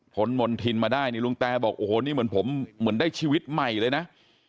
มณฑินมาได้นี่ลุงแตบอกโอ้โหนี่เหมือนผมเหมือนได้ชีวิตใหม่เลยนะ